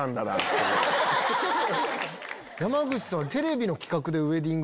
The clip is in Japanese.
山口さんは。